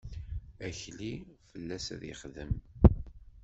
Akli fell-as ad yexdem.